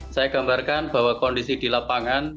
saya gambarkan bahwa kondisi di lapangan